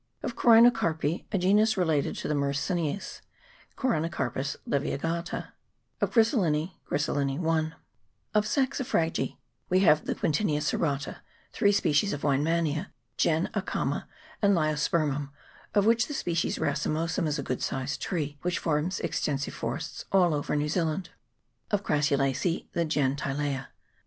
Of Corynocarpea a genus related to the Myrsineis, Corynocarpus Isevigata. Of Griselinea Griselinea (1). Of Saxifrages we have the Quintina serrata; 3 species of Weinmannia ; gen. Aikama, and Leiospermum, of which the species racemosum is a good sized tree, which forms exten sive forests all over New Zealand. Of Orassulacece the gen. Tillaea.